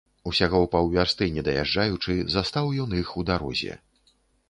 Усяго паўвярсты не даязджаючы, застаў ён іх у дарозе.